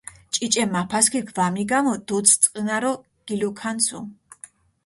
ჭიჭე მაფასქირქ ვამიგამჷ, დუდს წყჷნარო გილუქანცუ.